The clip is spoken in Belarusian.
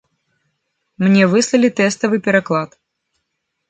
Мне выслалі тэставы пераклад.